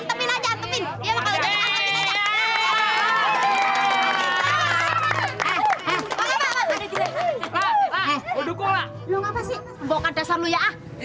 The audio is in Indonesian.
hai apa apa ada di mana udah gua lu ngapain sih boka dasar lu ya